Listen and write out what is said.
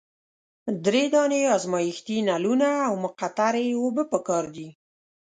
دری دانې ازمیښتي نلونه او مقطرې اوبه پکار دي.